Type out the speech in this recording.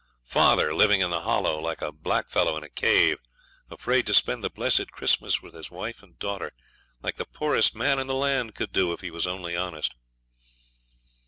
Father living in the Hollow, like a blackfellow in a cave, afraid to spend the blessed Christmas with his wife and daughter, like the poorest man in the land could do if he was only honest.